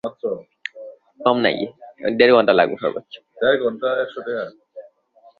আমি যদি বিল্বন ঠাকুরের মতো হইতাম।